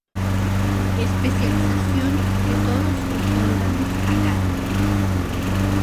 Especialización de todos los órganos a cargo.